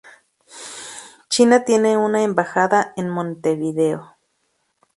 China tiene una embajada en Montevideo.